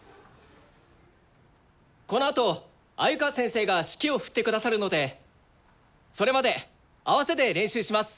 このあと鮎川先生が指揮を振ってくださるのでそれまで合わせで練習します。